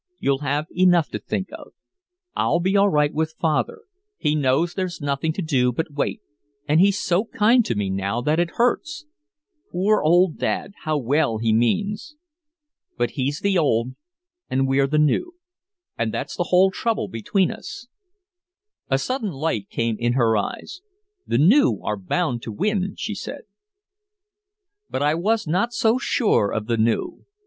"You'll have enough to think of. I'll be all right with father he knows there's nothing to do but wait, and he's so kind to me now that it hurts. Poor old Dad how well he means. But he's the old and we're the new and that's the whole trouble between us." A sudden light came in her eyes. "The new are bound to win!" she said. But I was not so sure of the new.